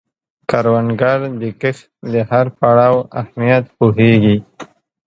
کروندګر د کښت د هر پړاو اهمیت پوهیږي